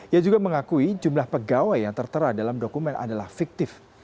ia juga mengakui jumlah pegawai yang tertera dalam dokumen adalah fiktif